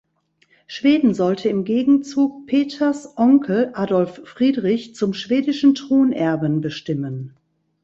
Schweden sollte im Gegenzug Peters Onkel Adolf Friedrich zum schwedischen Thronerben bestimmen.